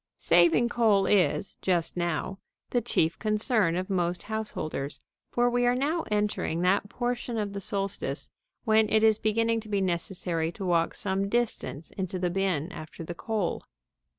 Saving coal is, just now, the chief concern of most householders, for we are now entering that portion of the solstice when it is beginning to be necessary to walk some distance into the bin after the coal.